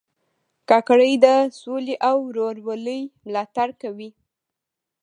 کاکړي د سولې او ورورولۍ ملاتړ کوي.